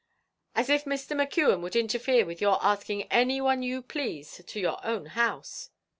As if Mr. McKeon would interfere with your asking any one you pleased to your own house."